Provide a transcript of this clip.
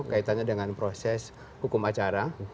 kaitannya dengan proses hukum acara